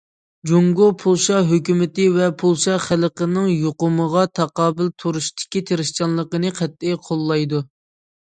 جۇڭگو پولشا ھۆكۈمىتى ۋە پولشا خەلقىنىڭ يۇقۇمغا تاقابىل تۇرۇشتىكى تىرىشچانلىقىنى قەتئىي قوللايدۇ.